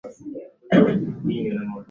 Akawa dhabihu kwa dhambi zote